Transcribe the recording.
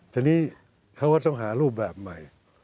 ทีนี้เขาก็ต้องหารูปแบบใหม่